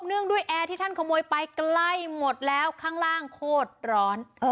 งด้วยแอร์ที่ท่านขโมยไปใกล้หมดแล้วข้างล่างโคตรร้อน